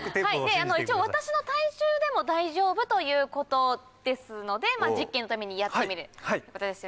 一応私の体重でも大丈夫ということですので実験のためにやってみるってことですよね。